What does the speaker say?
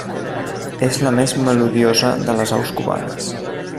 És la més melodiosa de les aus cubanes.